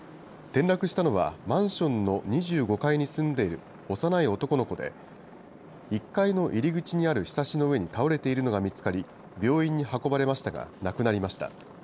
転落したのは、マンションの２５階に住んでいる幼い男の子で、１階の入り口にあるひさしの上に倒れているのが見つかり、病院に運ばれましたが、亡くなりました。